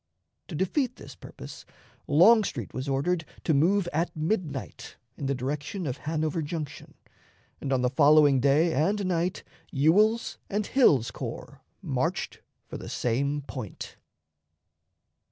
To defeat this purpose Longstreet was ordered to move at midnight in the direction of Hanover Junction, and on the following day and night Swell's and Hill's corps marched for the same point.